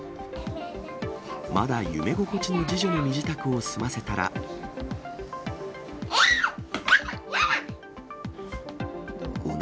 まだ夢心地の次女の身支度をやだやだやだ。